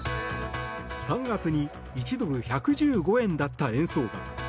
３月に１ドル＝１１５円だった円相場。